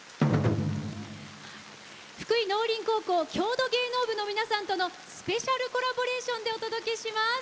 福井農林高校郷土芸能部の皆さんとのスペシャルコラボレーションでお届けします。